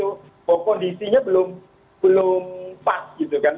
cuma tadi itu kondisinya belum pas gitu kan